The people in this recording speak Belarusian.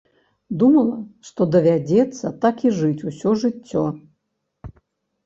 Думала, што давядзецца так і жыць усё жыццё.